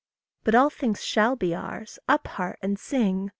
But all things shall be ours! Up, heart, and sing.